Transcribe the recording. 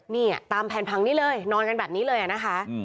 นี่ตามแผนพังนี้เลยนอนกันแบบนี้เลยนะคะ